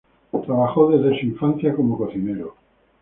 Trabajó desde su infancia como cocinero.